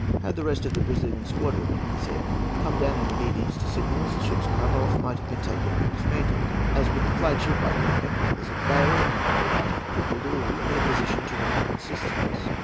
"Had the rest of the Brazilian squadron," he said, "come down in obedience to signals, the ships cut off might have been taken or dismantled, as with the flag ship I could have kept the others at bay, and no doubt have crippled all in a position to render them assistance.